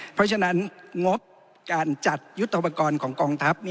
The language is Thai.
เพราะฉะนั้นงบการจัดยุทธปกรณ์ของกองทัพ